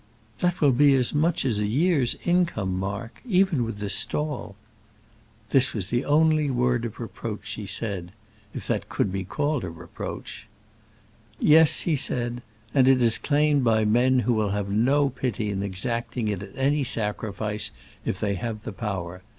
"That will be as much as a year's income, Mark; even with the stall." That was the only word of reproach she said, if that could be called a reproach. "Yes," he said; "and it is claimed by men who will have no pity in exacting it at any sacrifice, if they have the power.